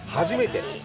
初めて？